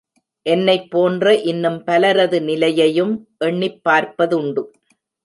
என்னைப் போன்ற இன்னும் பலரது நிலையையும் எண்ணிப் பார்ப்பதுண்டு.